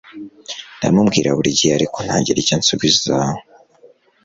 ndamubwira burigihe ariko ntagire icyo ansubiza